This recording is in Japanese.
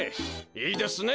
いいですね！